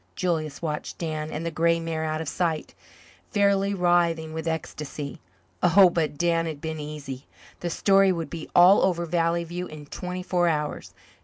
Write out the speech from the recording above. Julius watched Dan and the grey mare out of sight, fairly writhing with ecstasy. Oh, but Dan had been easy! The story would be all over Valley View in twenty four hours.